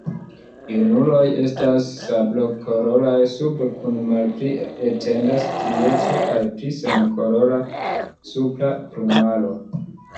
Junuloj estas sablokoloraj sube kun malpli etenda strieco kaj pli senkolora supra plumaro.